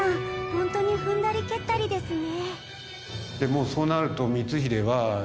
ホントに踏んだり蹴ったりですね。